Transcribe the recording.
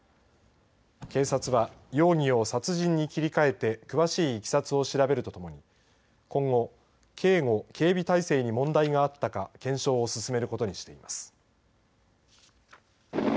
警察は容疑を殺人に切り替えて詳しいいきさつを調べるとともに今後、警護、警備態勢に問題があったか検証を進めることにしています。